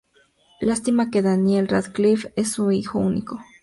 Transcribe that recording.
Lástima que Daniel Radcliffe es hijo único.